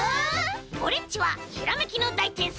オレっちはひらめきのだいてんさい！